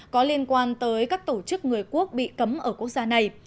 có liên quan tới các tổ chức người quốc bị cấm ở quốc gia này